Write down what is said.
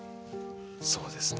そうですね。